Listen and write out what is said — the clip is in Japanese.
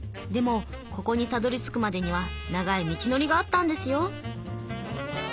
でもここにたどりつくまでには長い道のりがあったんですよ。